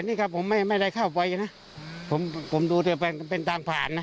อันนี้ครับผมไม่ได้เข้าไปนะผมดูจะเป็นต่างผ่านนะ